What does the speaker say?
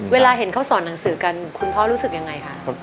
เวลาเห็นเขาสอนหนังสือกันคุณพ่อรู้สึกยังไงคะ